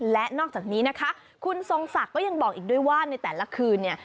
และนอกจากนี้นะคะคุณทรงศักดิ์ก็ยังบอกอีกด้วยว่าในแต่ละคืนเนี่ย